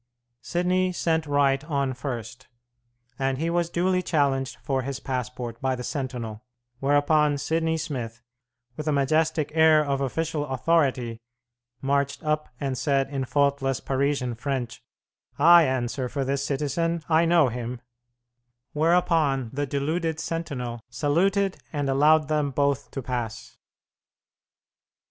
Smith sent Wright on first, and he was duly challenged for his passport by the sentinel; whereupon Sidney Smith, with a majestic air of official authority, marched up and said in faultless Parisian French, "I answer for this citizen, I know him"; whereupon the deluded sentinel saluted and allowed them both to pass!